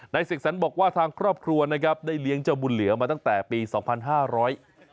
เสกสรรบอกว่าทางครอบครัวนะครับได้เลี้ยงเจ้าบุญเหลือมาตั้งแต่ปีสองพันห้าร้อย